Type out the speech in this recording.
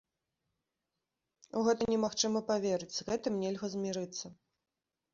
У гэта немагчыма паверыць, з гэтым нельга змірыцца.